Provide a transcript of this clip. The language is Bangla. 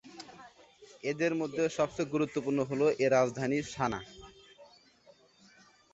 এদের মধ্যে সবচেয়ে গুরুত্বপূর্ণ হল এর রাজধানী সানা।